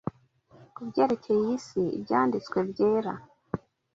Ku byerekeye iyi si, Ibyanditswe byera